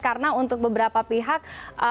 karena untuk beberapa pihak